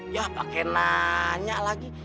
ya pak kenanya lagi